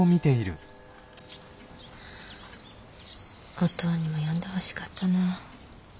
おとうにも読んでほしかったな。